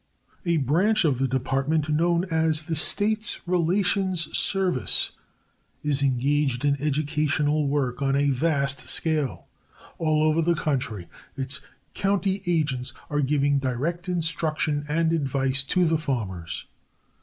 A branch of the Department known as the States Relations Service is engaged in educational work on a vast scale. All over the country its "county agents" are giving direct instruction and advice to the farmers.